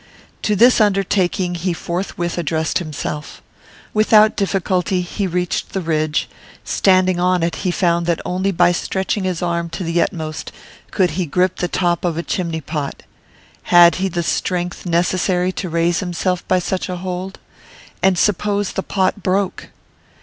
To this undertaking he forthwith addressed himself. Without difficulty he reached the ridge; standing on it he found that only by stretching his arm to the utmost could he grip the top of a chimney pot. Had he the strength necessary to raise himself by such a hold? And suppose the pot broke?